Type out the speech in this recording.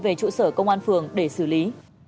về trụ sở công an phường để xử lý